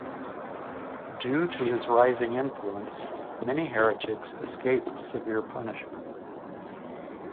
Due to his rising influence, many heretics escaped severe punishment.